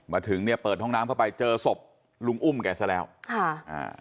มาถึงเนี่ยเปิดห้องน้ำเข้าไปเจอศพลุงอุ้มแกซะแล้วค่ะอ่า